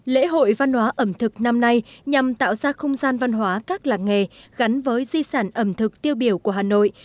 lễ hội văn hóa ẩm thực năm nay nhằm tạo ra không gian văn hóa các làng nghề gắn với di sản ẩm thực tiêu biểu của hà nội